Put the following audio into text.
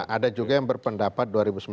ada juga yang berpendapat dua ribu sembilan belas